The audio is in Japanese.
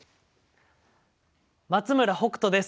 松村北斗です。